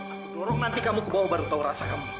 aku dorong nanti kamu ke bawah baru tahu rasa kamu